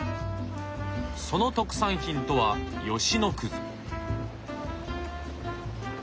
その特産品とは吉野。